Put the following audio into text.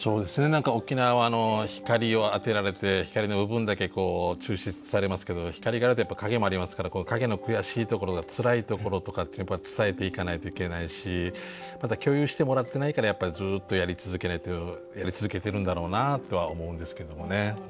何か沖縄はあの光を当てられて光の部分だけ抽出されますけど光があると陰もありますから陰の悔しいところつらいところとか伝えていかないといけないしまだ共有してもらってないからずっとやり続けないとやり続けてるんだろうなとは思うんですけどもね。